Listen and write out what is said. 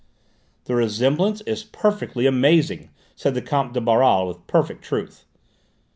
"The resemblance is perfectly amazing," said the Comte de Baral with perfect truth.